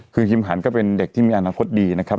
คือคิมหันก็เป็นเด็กที่มีอนาคตดีนะครับ